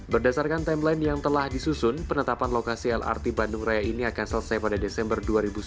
berdasarkan timeline yang telah disusun penetapan lokasi lrt bandung raya ini akan selesai pada desember dua ribu sembilan belas